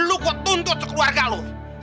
lu kok tuntut sekeluarga lo